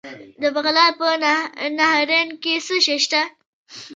د بغلان په نهرین کې څه شی شته؟